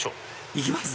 行きます？